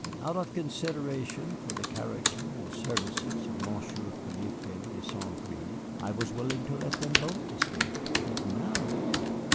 Out of consideration for the character and services of Monsieur Philippe de St. Gré I was willing to let them both escape. But now?"